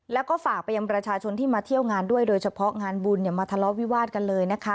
แล้วก็ฝากไปยังประชาชนที่มาเที่ยวงานด้วยโดยเฉพาะงานบุญมาทะเลาะวิวาดกันเลยนะคะ